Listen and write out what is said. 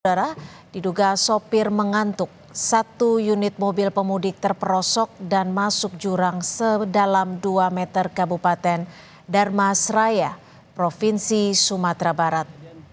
saudara diduga sopir mengantuk satu unit mobil pemudik terperosok dan masuk jurang sedalam dua meter kabupaten dharmas raya provinsi sumatera barat